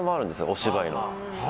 お芝居の。